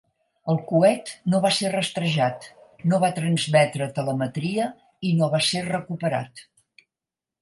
El coet no va ser rastrejat, no va transmetre telemetria i no va ser recuperat.